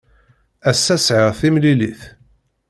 Ass-a sɛiɣ timlilit.